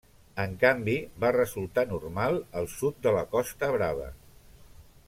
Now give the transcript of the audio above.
En canvi, va resultar normal al sud de la Costa Brava.